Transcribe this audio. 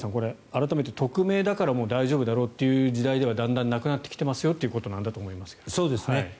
改めて、匿名だから大丈夫だろうという時代ではなくなってきているということだと思います。